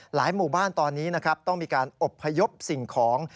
หลายหมู่บ้านตอนนี้ต้องมีการอบพยพสิ่งของ